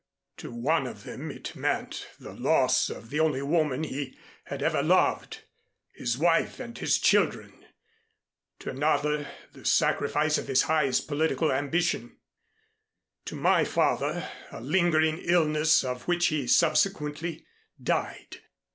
To one of them it meant the loss of the only woman he had ever loved his wife and his children; to another the sacrifice of his highest political ambition; to my father a lingering illness of which he subsequently died.